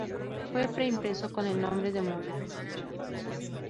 Fue pre impreso con el nombre de "Monogr.